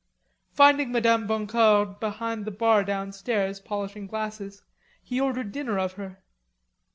Finding Madame Boncour behind the bar downstairs, polishing glasses, he ordered dinner of her.